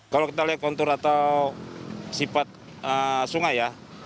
kalau kita lihat kontur atau sifat sungai ya